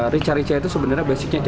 richa richa itu sebenarnya basicnya jajan